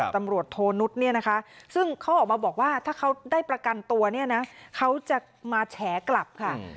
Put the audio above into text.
๑๐ตำรวจโทนุษย์ซึ่งเขาออกมาบอกว่าถ้าเขาได้ประกันตัวเขาจะมาแฉกลับค่ะ